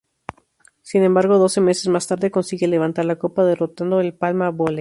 Sin embargo doce meses más tarde consigue levantar la copa derrotando el Palma Volley.